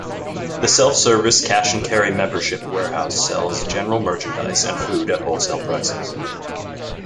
The self-service, cash-and-carry, membership warehouse sells general merchandise and food at wholesale prices.